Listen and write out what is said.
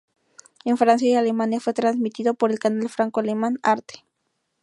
En Francia y Alemania fue transmitido por el canal franco-alemán "Arte".